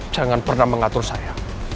jangan pernah mengatur saya